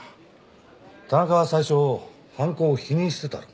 田中は最初犯行を否認してたろ。